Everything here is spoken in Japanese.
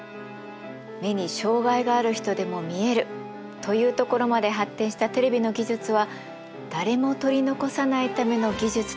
目に障害がある人でも見えるというところまで発展したテレビの技術は誰も取り残さないための技術と言えます。